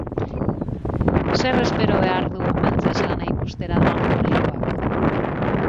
Zer espero behar du antzezlana ikustera doan publikoak?